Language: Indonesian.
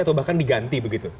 atau bahkan diganti begitu